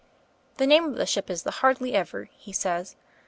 The name of the ship is the 'Hardly Ever,' he says.